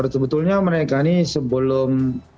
sebetulnya mereka ini sebelum